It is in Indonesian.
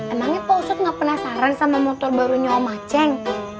emangnya pak ustadz tidak penasaran sama motor barunya omaceng